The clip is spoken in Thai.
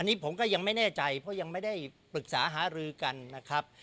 อันนี้ผมก็ยังไม่แน่ใจเพราะยังไม่ได้ปรึกษาหารือกันนะครับ